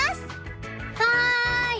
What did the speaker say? はい！